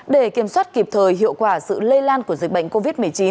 để kiểm soát kịp thời hiệu quả sự lây lan của dịch bệnh covid một mươi chín